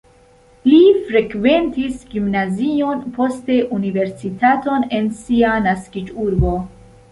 Li frekventis gimnazion, poste universitaton en sia naskiĝurbo.